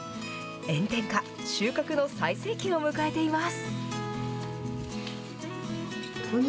炎天下、収穫の最盛期を迎えています。